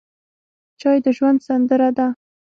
چای د ژوند سندره ده.